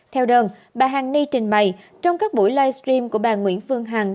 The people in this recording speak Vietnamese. theo đơn bà hàng ni trình bày trong các buổi livestream của bà nguyễn phương hằng